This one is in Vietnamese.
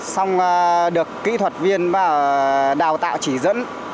xong được kỹ thuật viên đào tạo chỉ dẫn